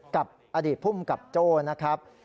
กับอดีตพุ่มกับโจทย์นะครับ